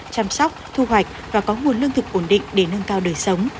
chăm sóc thu hoạch và có nguồn lương thực ổn định để nâng cao đời sống